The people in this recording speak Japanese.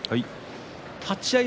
立ち合い